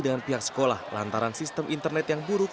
dengan pihak sekolah lantaran sistem internet yang buruk